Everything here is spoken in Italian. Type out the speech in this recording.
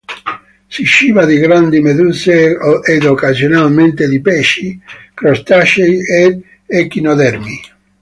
Si ciba di grandi meduse ed occasionalmente di pesci, crostacei ed echinodermi.